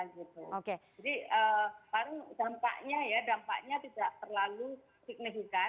jadi paling dampaknya ya dampaknya tidak terlalu signifikan